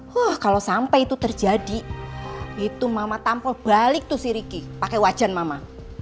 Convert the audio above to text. wah kalau sampai itu terjadi itu mama tampel balik tuh si ricky pakai wajan mama